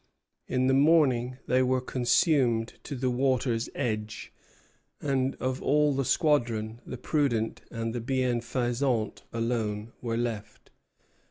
In the morning they were consumed to the water's edge; and of all the squadron the "Prudent" and the "Bienfaisant" alone were left.